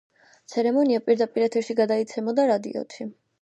ცერემონია პირდაპირ ეთერში გადაიცემოდა რადიოთი.